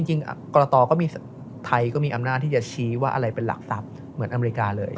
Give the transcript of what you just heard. กรตก็มีไทยก็มีอำนาจที่จะชี้ว่าอะไรเป็นหลักทรัพย์เหมือนอเมริกาเลย